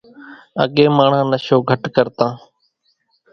اڳيَ ماڻۿان نشو گھٽ ڪرتان۔